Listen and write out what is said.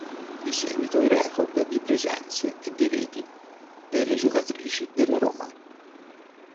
Di seguito i record di presenze e di reti delle giocatrici della Roma.